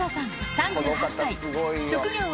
３８歳。